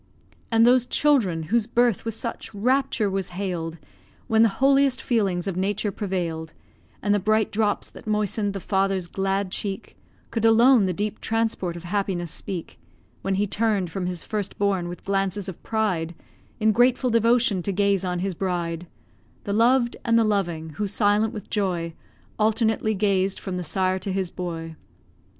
And those children, whose birth with such rapture was hail'd, When the holiest feelings of nature prevail'd, And the bright drops that moisten'd the father's glad cheek Could alone the deep transport of happiness speak; When he turn'd from his first born with glances of pride, In grateful devotion to gaze on his bride, The loved and the loving, who, silent with joy, Alternately gazed from the sire to his boy.